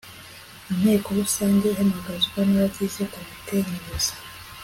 inteko rusange ihamagazwa n abagize komite nyobozi